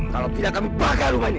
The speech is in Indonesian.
kalau tidak kami bakar rumah ini